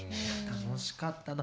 楽しかったな。